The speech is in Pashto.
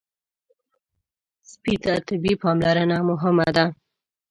سپي ته طبي پاملرنه مهمه ده.